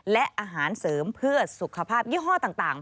และอาหารเสริมเพื่อสุขภาพยี่ห้อต่าง